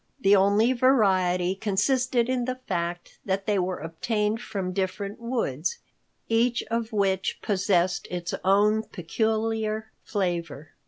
The only variety consisted in the fact that they were obtained from different woods, each of which possessed its own peculiar flavor.